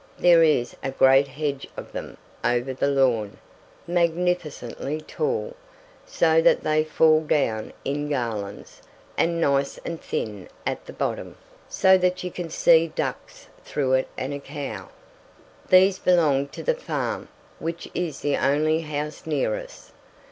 There is a great hedge of them over the lawn magnificently tall, so that they fall down in garlands, and nice and thin at the bottom, so that you can see ducks through it and a cow. These belong to the farm, which is the only house near us.